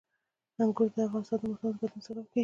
انګور د افغانستان د موسم د بدلون سبب کېږي.